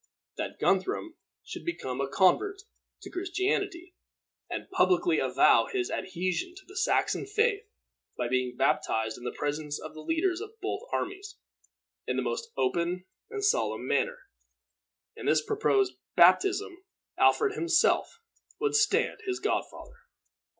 that Guthrum should become a convert to Christianity, and publicly avow his adhesion to the Saxon faith by being baptized in the presence of the leaders of both armies, in the most open and solemn manner. In this proposed baptism, Alfred himself would stand his godfather.